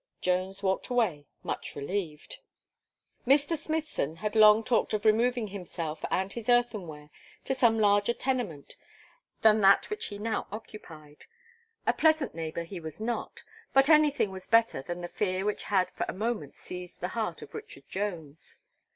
Jones walked away much relieved. Mr. Smithson had long talked of removing himself and his earthenware to some larger tenement than that which he now occupied; a pleasant neighbour he was not; but anything was better than the fear which had for a moment seized the heart of Richard Jones.